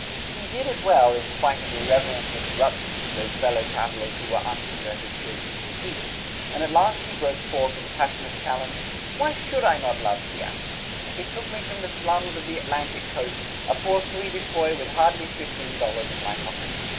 He did it well in spite of irreverent interruptions from those fellow travelers who were unconverted children of the East, and at last he broke forth in passionate challenge, "Why should I not love Seattle! It took me from the slums of the Atlantic Coast, a poor Swedish boy with hardly fifteen dollars in my pocket.